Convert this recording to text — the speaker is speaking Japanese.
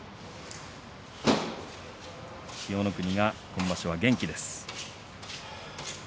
千代の国、今場所元気です。